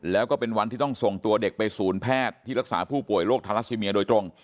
แล้วก็เป็นวันที่ต้องส่งตัวเด็กไปศูนย์แพทย์ที่รักษาผู้ป่วยโรคทาราซิเมียโดยตรง